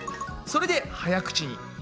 それではや口に。